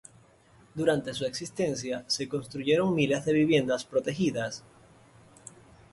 Durante su existencia se construyeron miles de viviendas protegidas.